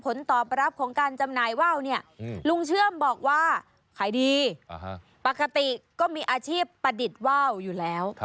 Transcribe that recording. ผลตอบรับของการจำหน่ายว่าวเนี่ยลุงเชื่อมบอกว่าขายดีปกติก็มีอาชีพประดิษฐ์ว่าวอยู่แล้ว